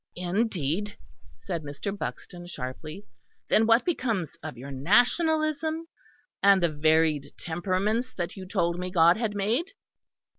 "Indeed," said Mr. Burton sharply, "then what becomes of your Nationalism, and the varied temperaments that you told me God had made?"